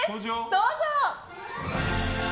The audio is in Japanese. どうぞ。